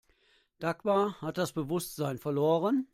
Dagmar hat das Bewusstsein verloren.